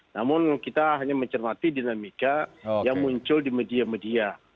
namun kita hanya mencermati dinamika yang muncul di media media